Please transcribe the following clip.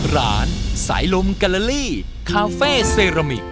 สายลมกัลลาลี่คาเฟ่เซรามิก